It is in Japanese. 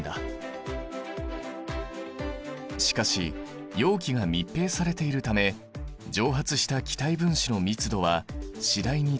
しかし容器が密閉されているため蒸発した気体分子の密度は次第に高くなっていく。